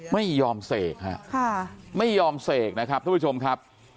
ไม่ยอมเศกครับครับไม่ยอมเศกนะครับทั้งผู้ชมครับ